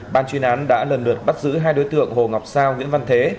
ban chuyên án đã lần lượt bắt giữ hai đối tượng hồ ngọc sao nguyễn văn thế